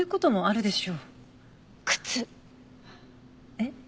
えっ？